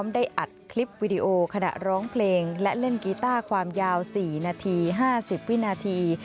ได้อัดคลิปวิดีโอขณะร้องเพลงและเล่นกีต้าความยาว๔นาที๕๐วินาที